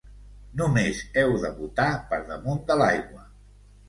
Només heu de botar per damunt de l'aigua!